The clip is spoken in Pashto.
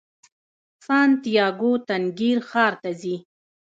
سانتیاګو تنګیر ښار ته ځي.